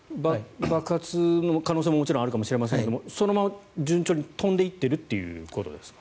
爆発の可能性ももちろんあるかもしれませんがそのまま順調に飛んで行ってるということですか？